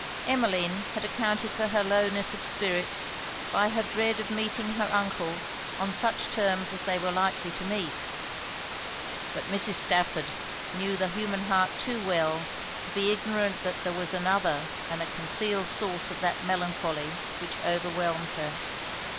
Emmeline had accounted for her lowness of spirits by her dread of meeting her uncle on such terms as they were likely to meet; but Mrs. Stafford knew the human heart too well to be ignorant that there was another and a concealed source of that melancholy which overwhelmed her.